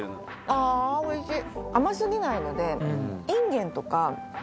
あおいしい！